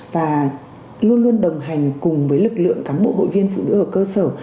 và luôn luôn đồng hành cùng với lực lượng cán bộ hội viên phụ nữ ở cơ sở